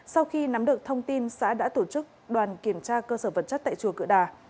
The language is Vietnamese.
sau khi nắm được thông tin xã đã tổ chức đoàn kiểm tra cơ sở vật chất tại chùa cỡ đà